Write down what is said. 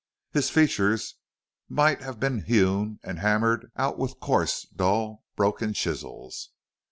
His features might have been hewn and hammered out with coarse, dull, broken chisels.